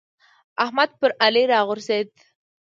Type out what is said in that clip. احمد پر علي راغورځېد.